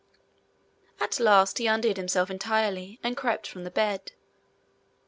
At last he undid himself entirely, and crept from the bed.